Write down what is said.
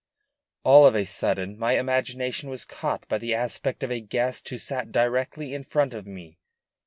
All of a sudden my imagination was caught by the aspect of a guest who sat directly in front of me.